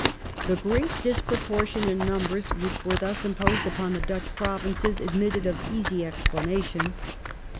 The great disproportion in numbers which was thus imposed upon the Dutch Provinces admitted of easy explana tion.